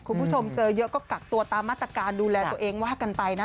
คุณผู้ชมเจอเยอะก็กักตัวตามมาตรการดูแลตัวเองว่ากันไปนะ